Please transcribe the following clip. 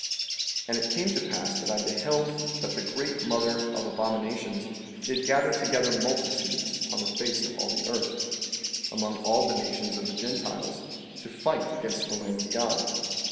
14:13 And it came to pass that I beheld that the great mother of abominations did gather together multitudes upon the face of all the earth, among all the nations of the Gentiles, to fight against the Lamb of God.